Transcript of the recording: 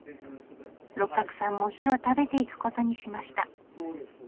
六角さんもお昼を食べていくことにしました。